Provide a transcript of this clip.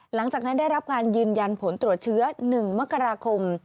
หลังจากนั้นได้รับการยืนยันผลตรวจเชื้อ๑มกราคม